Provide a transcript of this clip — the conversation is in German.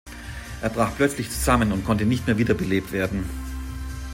Er brach plötzlich zusammen und konnte nicht mehr wiederbelebt werden.